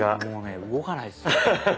もうね動かないですよ。